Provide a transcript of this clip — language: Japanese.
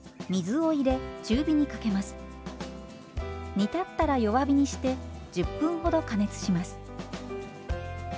煮立ったら弱火にして１０分ほど加熱します。